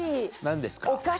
何ですか？